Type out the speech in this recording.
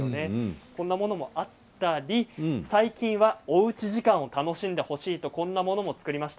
こんなものもあったり最近はおうち時間を楽しんでほしいとこんなものも作りました。